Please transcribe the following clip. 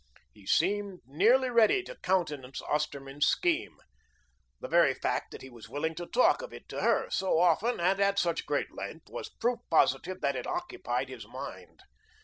He seemed nearly ready to countenance Osterman's scheme. The very fact that he was willing to talk of it to her so often and at such great length, was proof positive that it occupied his mind.